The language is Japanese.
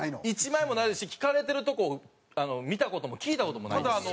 １枚もないですし聞かれてるとこを見た事も聞いた事もないですし。